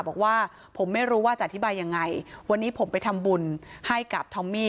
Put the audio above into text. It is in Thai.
บอกว่าผมไม่รู้ว่าจะอธิบายยังไงวันนี้ผมไปทำบุญให้กับทอมมี่